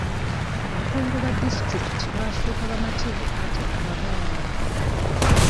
Abakungu ba disitulikiti baafuuka bamativu ate abagayaavu.